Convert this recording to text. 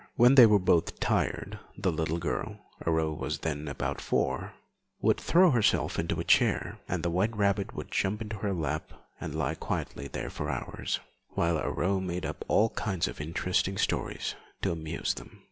When they were both tired, the little girl Aurore was then about four would throw herself into a chair, and the white rabbit would jump into her lap, and lie quietly there for hours, while Aurore made up all kinds of interesting stories to amuse him.